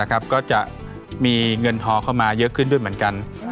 ก็จะมีเงินทอเข้ามาเยอะขึ้นด้วยเหมือนกัน